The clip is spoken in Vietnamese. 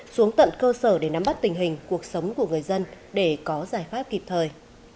xuống tận cơ sở để nắm bắt tình hình cuộc sống của người dân để có giải pháp kịp thời